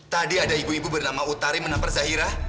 tadi ada ibu ibu bernama utari menampar zahira